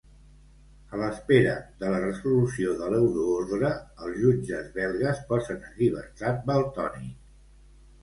A l'espera de la resolució de l'euroordre, els jutges belgues posen en llibertat Valtònyc.